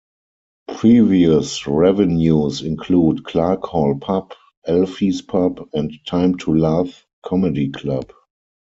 Previous revenues include Clark Hall pub, Alfie's pub, and Time To Laugh Comedy Club.